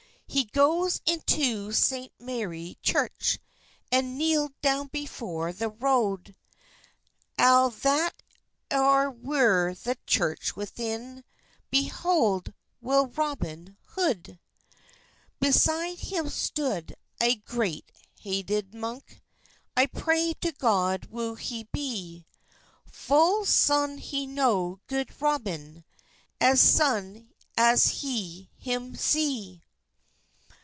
He gos into seynt Mary chirche, And knelyd downe before the rode; Alle that euer were the churche within Beheld wel Robyne Hode. Beside hym stode a gret hedid munke, I pray to God woo he be; Full sone he knew gode Robyn As sone as he hym se.